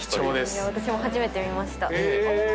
私も初めて見ました。